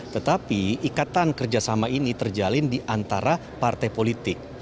tetapi ikatan kerjasama ini terjalin di antara partai politik